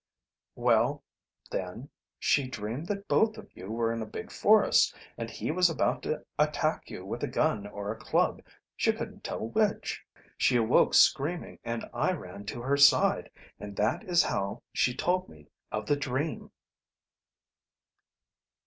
"Well, then, she dreamed that both of you were in a big forest and he was about to attack you with a gun or a club, she couldn't tell which. She awoke screaming and I ran to her side, and that is how she told me of the dream."